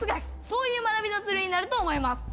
そういう学びのツールになると思います。